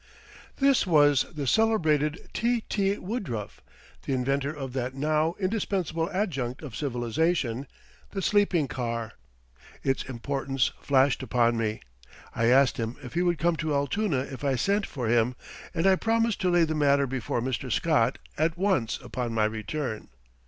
This was the celebrated T.T. Woodruff, the inventor of that now indispensable adjunct of civilization the sleeping car. Its importance flashed upon me. I asked him if he would come to Altoona if I sent for him, and I promised to lay the matter before Mr. Scott at once upon my return.